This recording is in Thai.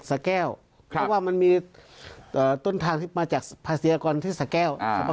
เพราะว่ามันมีต้นทางที่มาจากภาษียากรที่สะแก้ว